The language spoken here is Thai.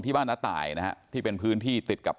บ้านน้าตายนะฮะที่เป็นพื้นที่ติดกับ